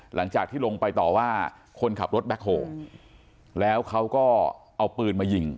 หลังจากที่ลงไปต่อว่าคนขับรถแบ็คโฮแล้วเขาก็เอาปืนมายิง